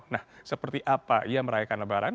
nah seperti apa ia merayakan lebaran